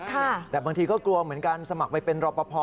แต่บางทีก็กลัวเหมือนกันสมัครไปเป็นรอปภ